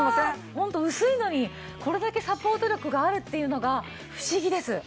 ホント薄いのにこれだけサポート力があるっていうのが不思議です。